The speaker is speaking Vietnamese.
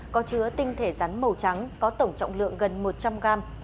có chứa tinh thể rắn màu trắng có tổng trọng lượng gần một trăm linh gram